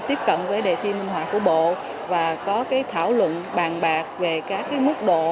tiếp cận với đề thi minh họa của bộ và có thảo luận bàn bạc về các mức độ